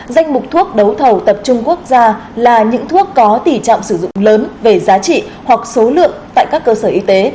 danh mục thuốc đấu thầu tập trung quốc gia là những thuốc có tỷ trọng sử dụng lớn về giá trị hoặc số lượng tại các cơ sở y tế